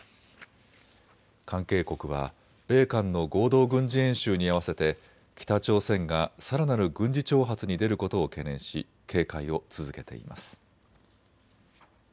関係国は米韓の合同軍事演習に合わせて北朝鮮がさらなる軍事挑発に出ることを懸念し警戒を続けています。